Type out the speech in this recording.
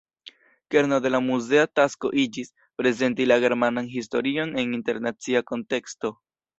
Kerno de la muzea tasko iĝis, "prezenti la germanan historion en internacia konteksto".